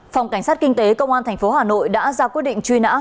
phòng cảnh sát kinh tế công an tp hà nội đã ra quyết định truy nã